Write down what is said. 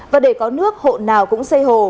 và để có nước hộ nào cũng xây hồ